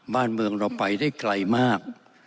บ้านเมืองเราไปได้ไกลมาก